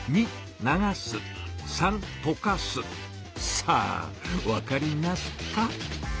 さあわかりますか？